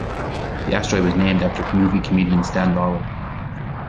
The asteroid was named after movie comedian Stan Laurel.